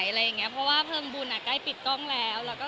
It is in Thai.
ยังไม่ได้คุยเลยค่ะ